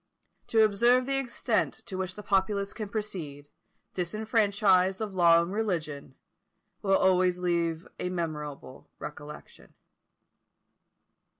To observe the extent to which the populace can proceed, disfranchised of law and religion, will always leave a memorable recollection.